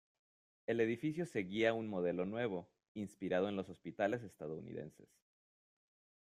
El edificio seguía un modelo nuevo, inspirado en los hospitales estadounidenses.